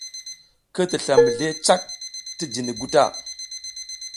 Ki tisla mizli cak ti jiniy gu ta.